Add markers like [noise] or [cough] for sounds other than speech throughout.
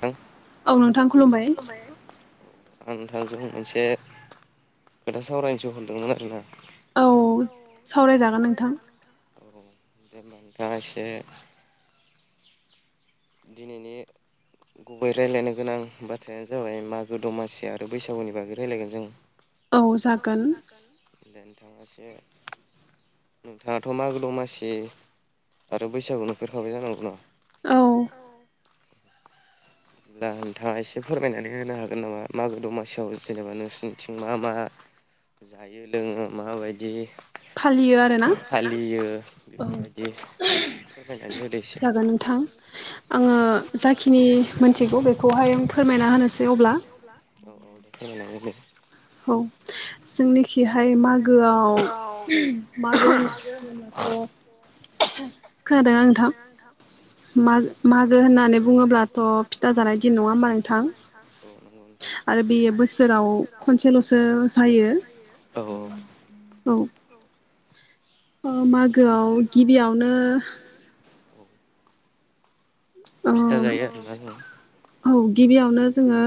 [unintelligible] औ नोंथां खुलुमबाय [unintelligible] आं नोंथांजों मोनसे खोथा सावरायनोसो हरदोंमोन आरोना। औ सावरायजागोन नोंथां। ओ दे नोंथांआ एसे दिनैनि गुबै रायलायनो गोनां बाथ्राया जाबाय मागो दमासि आरो बैसागुनि बागै रायलायगोन जों। नोंथाङासो नोंथाङाथ' मागो दमासि आरो बैसागु नुफेरखाबाय जानांगौ ना? औ। दा नोंथाङा एसे फोरमायनानै होनो हागोन नामा मागो दमासियाव जेनेबा नोंसोरनिथिं मा मा जायो लोङो माबायदि फालियो आरोना। औ जागोन नोंथां। आङो जाखिनि मोन्थिगौ बेखौहाय फोरमायना होनोसै अब्ला। औ नोंगौ दे। औ जोंनिखिहाय मागोआव मागो होननानै बुङोब्लाथ'। खोनादोंना नोंथां? माग-मागो होननानै बुङोब्ला औ औ नोंगौ नोंथां। औ औ। औ। ओ मागोआव गिबियावनो औ फिथा जायो। औ गिबियावनो जोङो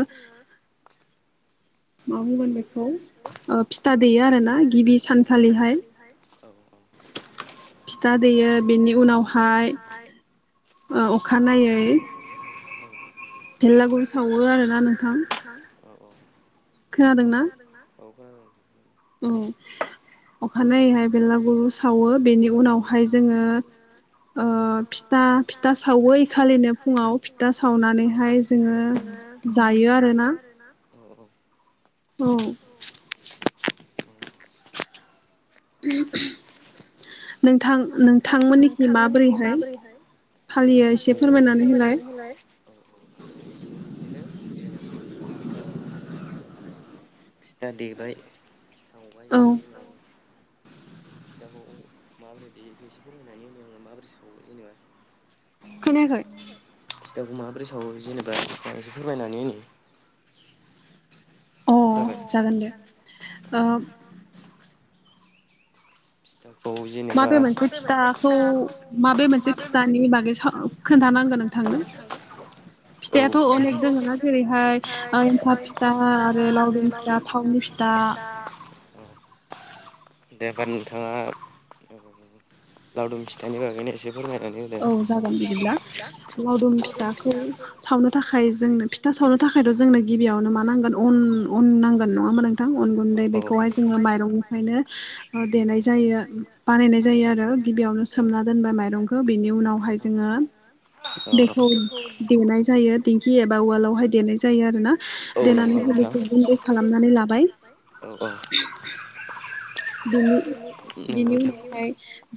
औ औ औ औ औ। खोनादोंना? औ‌ खोनादों। औ अखानायैहाय बेलागुरु सावो बेनि उनावहाय जोङो ओ फिथा फिथा सावो इखालिनो फुङाव फिथा सावनानैहाय जोङो जायो आरोना औ औ औ नोंथां नोंथांमोननिखि माबोरैहाय फालियो एसे फोरमायनानै होलाय। बिदिनो जेनेबा फार्स्टखालि फिथा देबाय। सावबाय बिनि उनाव‌ फिथाखौ माबोरै? देयो एसे फोरमायनानै होनि आङो माबोरै सावो जेनेबा खोनायाखै फिथाखौ माब्रै सावो जेनेबा एसे फोरमायनानै होनि अ जागोन दे औ फिथा खौ जेनेबा माबे मोनसे फिथाखौ माबे मोनसे फिथानि बागै साव खोनथानांगौ नोंथांनो औ फिथायाथ अनेक दोङोना जेरैहाय ओ एन्थाब फिथा आरो लावदुम फिथा थावनि फिथा औ दे बा नोंथाङा लावदुम फिथानि बागैनो एसे औ जागोन बिदिब्ला लावदुम फिथाखौ सावनो थाखाय जोंनो फिथा सावनो थाखायथ जोंनो गिबियावनो मा नांगोन अन अन नांगोन नङामोन नोंथां अन गुन्दै बेखौहाय जोङो माइरंनिफ्रायनो देनाय जायो बानायनाय जायो आरो गिबियावनो सोमना दोनना माइरंखौ बिनि उनावहाय जोङो बेखौ देनाय जायो दिंखि एबा उवालावहाय देनाय जायो आरोना देनानैहाय बेखौ गुन्दै खालामनानै लाबाय बिनि बिनि उनावहाय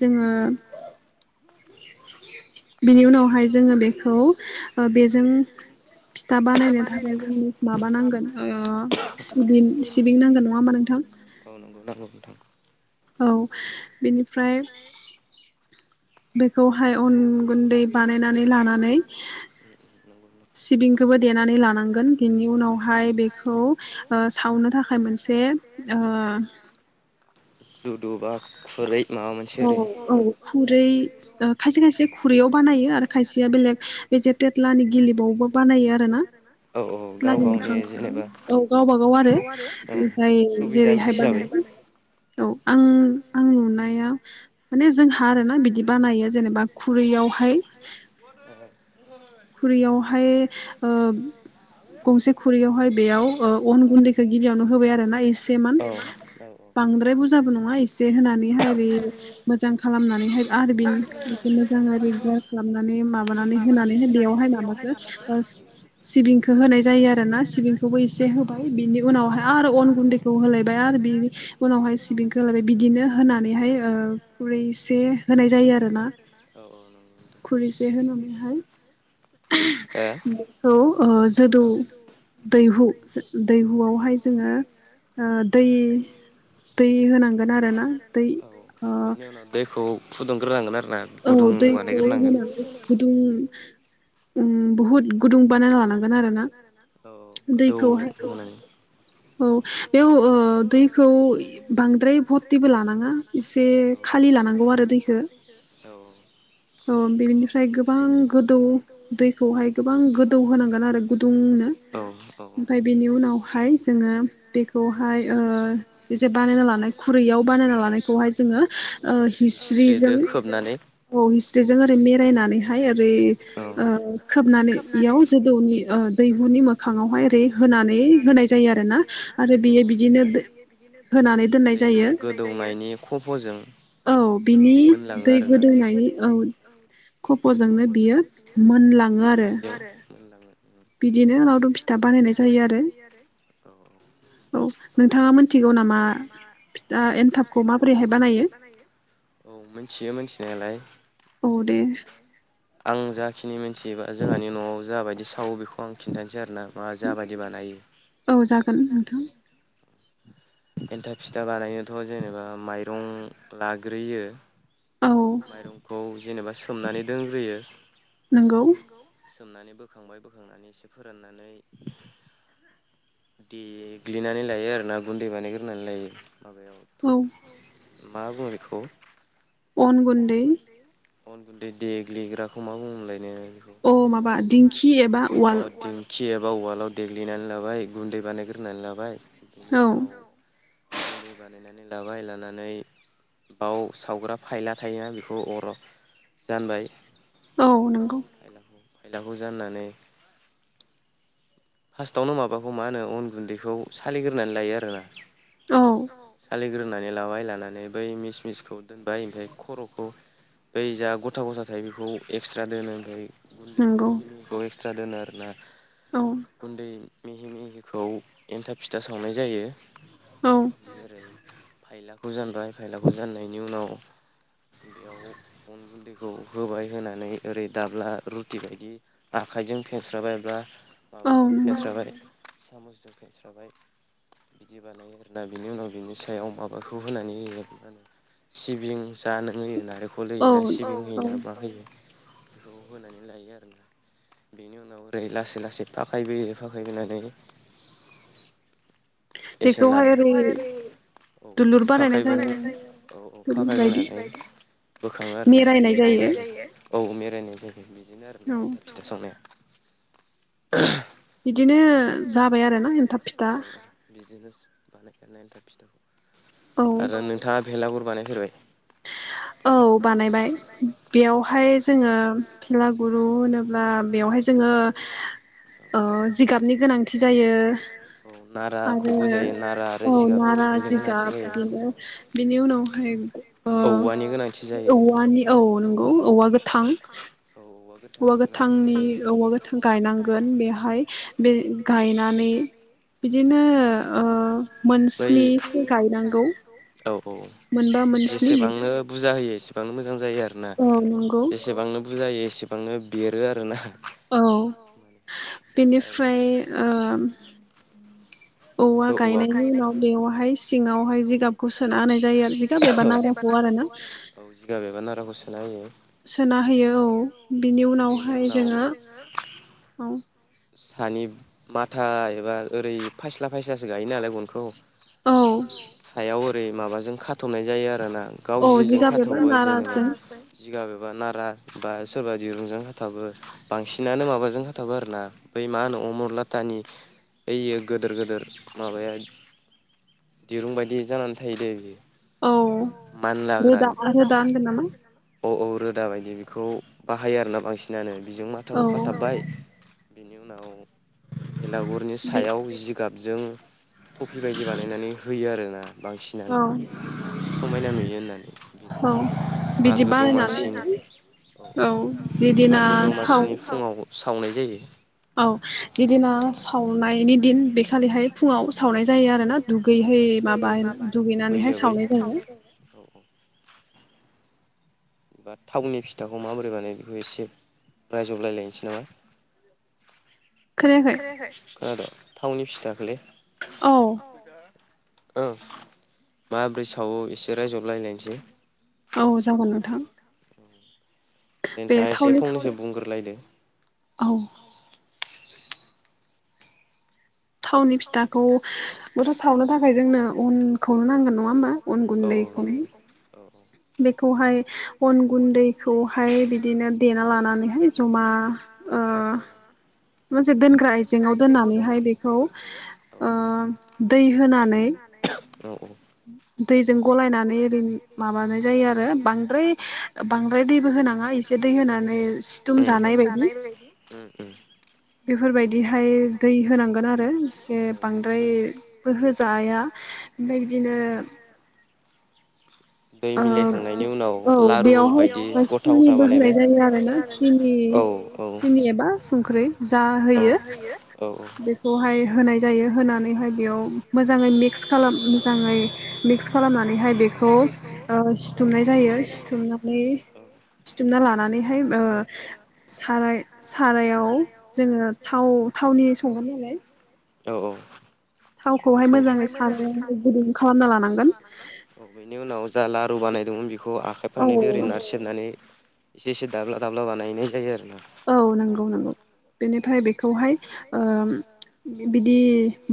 जोङो बिनि उनावहाय जोङो बेखौ ओ बेजों फिथा बानायनो थाखाय जोंनो माबा नांगोन ओ सिबिं सिबिं नांगोन नङा होमबा नोंथां? [inaudible] औ बेनिफ्राय बेखौहाय अन गुन्दै दै बानायनानै लानानै सिबिंखौबो देनानै लानांगोन बेनि उनावहाय दैखौ सावनो थाखाय मोनसे जुदुबा खुरै औ औ खुरै खायसे खायसे खुरैयाव खायाव बानायो आरो खायसेया बेलेग बेदि थेथ्लानि गिलिबावबो बानायो आरो ना लारि मोखाङ औ गावबाागाव आरो जाय जेरैहाय बानायो औ आं आं नुनाया माने जोंहा आर ना बिदि बानायो जेनेबा खुरैयाव बेयावहाय [inaudible] खुरैयावहाय ओ गंसे खुरैयावहाय बेयाव अन गुन्दैखौ गिबियावनो होबाय आरो ना एसेमान बांद्राय बुरजाबो नङा एसे होनानैहाय ओरै मोजां खालामनानैहाय आरो बेनि एसे मोजां आं ओरै गुवार खालामनानै माबानानै होनानै बेयावहाय माबाखौ सि सिबिंखो होनाय जायो आरोना सिबिंखौबो एसे होबाय बिनि उनावहाय आरो अन गुन्दैखौ होलायबाय आरो बिनि उनावहाय सिबिंखौ होलायबाय बिदिनो होनानैहाय ओ खुरैसे होनाय जायो आरोना। खुरैसे होनानैहाय बेखौ ओ जोदौ दैहु दैहुआवहाय जोङो ओ दै दै होनांगोन आरोना दै आ फुदुंग्रोनांगोन आरो ना औ दैखौ होनानै गुदुं उम बुहुत गुदुं गुदुं बानायना लानांगोन आरो ना औ गोदो औ बेयाव दैखौ बांद्राय भुरथिबो लानाङा एसे खालि जानांगौ आरो दैसो औ औ बे बिनिफ्राय गोबां गोदौ दैखौहाय गोबां गोदौ होनां नांगोन आरो गुदुंनो ओमफाय बेनि उनावहाय जोङो बेखौहाय ओ जे बानायना लानाय खुरैयाव बानायना लानायखौहाय जोङो ओ हिस्रिजों औ हिस्रिजों ओरै मेरायनानैहाय ओरै ओ खोबनानै इयाव जिदौ जिदौनि ओ दैहुनि मोखाङावहाय ओरै होनानै होनाय जायो आरो ना औ आरो बेयो बिदिनो दै गोदौनायनि खफ'जों औ बिनि दै गोदौनायनि औ खफ'जोंनो बियो मोनलाङो आरो मोनदांङो बिदिनो लावदुम फिथा बानायनाय जायो आरो औ नोंथाङा मिथिगौ नामा ओ एन्थाबखौ माबोरैहाय बानायो औ मिथियो। एलाय [unintelligible] आं जाखिनि मिथियोबा जोंहानि न'आव जाबायदि सा सावो बेखौ आं खिन्थानोसै आरो ना मा जाबायदि बानायो औ जागोन एन्थाब फिथा बानायनोथ' जेनेबा माइरं लाग्रोयो माइरंखौ जेनेबा सोमनानै दोनग्रोयो नोंगौ सोमनानै बोखांबाय बो बोखांनानै एसे फोराननानै देग्लिनानै लायो आरोना गुन्दै बानायग्रोनानै लायो माबायाव थब मा बुङो बे खौ अन गुन्दै अन गुन्दै देग्लिग्राखौ मा बुङोमोनलाय नों दिख एबा उवालाव देग्लिनानै लाबाय गुन्दै बानायग्रोनानै लाबाय बेनि उनाव गुन्दै बानायनानै लाबाय लानानै बाव सावग्रा फाइला थायोना बेखौ अर' जानबाय औ नंगौ फायलाखौ जाननानै फार्स्टावनो माबाखौ मा होनो अन गुन्दैखौ सालिग्रोनानै लायो आरोना सालिग्रोनानै लाबाय लानानै बै मिस मिसखौ दोनबाय ओमफ्राय खर'खौ बै जा गथा गथा थायो बेखौ एक्सट्रा दोनो ओमफ्राय गुन्दै मिहिमिखौ एक्सट्रा दोनो आरो गुन्दै मेहि मेहिखौ एन्थाब फिथा सावनाय जायो जेरै फायलाखौ जानबाय फायलाखौ जाननायनि उनाव बेयाव अन गुन्दैखौ होबाय होनानै ओरै दाब्ला रुटि बायदि आखाइजों फेनस्राबाय बा माबाजों फेनस्राबाय सामसजों फेनस्राबाय बिदि बानायो आरोना बिनि उनाव बिनि सायाव माबाखौ होनानै होनो सिबिं [unintelligible] खल होयो ना सिबिं होय ना मा होयो बेखौ होनानै लायो आरोना बेनि उनाव ओरै लासै लासै फाखायबोयो फाखायबोनानै [unintelligible] औ फाखायबोन औ औ फाखायबोन बोखाङो आरोना मेरायनाय जायो औ मेरायनाय जायो फिथा संनाया बिदिनो जाबाय आरोना एनथाब फिथा बानाय खानाय एनथाब फिथाखौ आरो नोंथाङा भेलागुर बानायफेरबाय औ बानायबाय बेयावहाय जोङो भेलागुरु होनोब्ला बेयावहाय जोङो ओ जिगाबनि गोनांथि जायो आरो औ नारा जिगाब बिदिनो बेनि उनावहाय ओ‌ औवानि औ नंगौ औवा गोथां औवा गोथांनि औवा गोथां गायनांगोन बेहाय बे गायनानै बिदिनो ओ मोनस्निसो गायनांगौ औ औ जेसेब जेसेबांनो बुरजा होयो एसेबां बेसेबांनो मोजां जायो आर ना जेसेबांनो बुरजायो एसेबां‌। इसेबांनो बेरो आरोना औ बेनिफ्राय ओ‌ औवा गायनायनि उनाव बेवहाय सिङावहाय जिगाबखौ सोना होनाय जायो आरो जिगाब एबा नारा औ जिगाब एबा नाराखौ सोना होयो सोना होयो औ बेनि उनाव सानि माथा एबा ओरै फायस्ला फायस्लासो गाय नालाय गनखौ औ सायाव ओरै ओरै माबाजों खाथ'नाय जायो आरो ना‌ गाव जिजों खाथ'बो जेनेबा जिगाब सोरबा नारा बा सोरबा दिरुंजों खाथाबो बांसिनानो माबाजों खाथाबो आरोना बै मा होनो अमर लाथानि इययो गिदिर गिदिर माबाया दिरुं बायदि जानानै थायो दे बियो, मान लाग्रा औ औ रोदा बायदि बेखौ बाहायो आरोना बांसिनानो? बेजों माथाखौ खाथाबबाय बेनि उनाव भेलागुरनि सायाव जिगाब जों थ'फि बायदि बानायनानै होयो आरोना? बांसिनानो समायना नुयो, बे होननानै बिनि उनाव मागो दमासि औ औ मागो दमासिनि फुङाव सावनाय जायो, औ जदिना सावनायनि दिन बेखालिहाय फुङाव सावनाय जायो आरोना दुगैहाय माबा दुगैनानैहाय सावनाय जायो। [inaudible] बा थावनि फिथाखौ माबोरै बानायो बेखौ एसे रायजब लायलायनिसै नामा? खानायाखै खोनादों, थावनि फिथाखोलै औ। ओं माब्रै सावो एसे रायज'बलायलायसै। औ जागोन नोंथां। नोंथाङा एसे फंनैसो बुंग्रोलायदो। औ। थावनि फिथाखौ बोथोर सावनो थाखाय जोंनो अनखौनो नांगोन नङा होमा अन गुन्दैखौनो। बेखौहाय अन गुन्दैखौहाय बिदिनो देना लानानैहाय जमा मोनसे दोनग्रा आइजेंआव दोननानैहाय बेखौ ओ दै होनानै दैजों गलायनानै ओरै माबानाय जायो आरो बांद्राय- बांद्राय दैबो होनाङा एसे दै होनानै सिथुम जानाय बायदि। ओम ओम। बेफोरबायदिहाय दै होनांगोन आरो। से बांद्रायबो होजाया ओमफ्राय बिदिनो [inaudible] औ बेवहाय सिनिबो होनाय जायो आरोना सिनि -सिनि एबा संख्र्रि जा होयो। बेखौहाय होनाय जायो होनानैहाय बेयाव मोजाङै मिक्स मोजाङै मिक्स खालामनानैहाय बेखौ सिथुमनाय जायो सिथुमनानै सिथुमना लानानैहाय ओ सारायाव जोङो थाव थावनि सङो नालाय। औ औ। थावनि सम लांग औ बेनि उनाव जा लारु बानायदोंमोन बेखौ आखाइ फारनैदों नारसिबनानै एसे एसे दाब्ला दाब्ला बानायनाय जायो आरो। औ नंगौ नंगौ बेनिफ्राय बेखौहाय ओ बिदि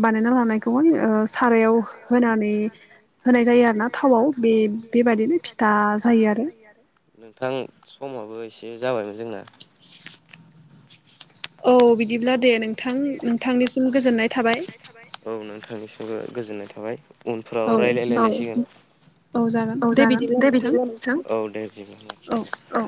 बानायना लानायखौहाय सारायाव होनानै होनाय जायो आरोना थावआव बे बेबायदिनो फिथा जायो आरो। नोंथां समाबो एसे जाबायमोन जोंना। औ बिदिब्ला दे नोंथां नोंथांनिसिम गोजोननाय थाबाय औ नोंथांनिसिम। बो गोजोननाय थाबाय। उनफ्राव रायलाय लायसिगोन औ दे बिदिब्ला लाखिथ औ।